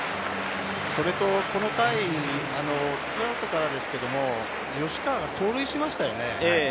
それとこの回、２アウトからですけれども、吉川が盗塁しましたよね。